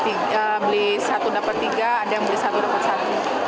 ini lagi diskon